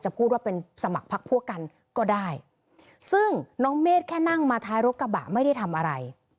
พูดว่าเป็นสมัครพักพวกกันก็ได้ซึ่งน้องเมฆแค่นั่งมาท้ายรถกระบะไม่ได้ทำอะไร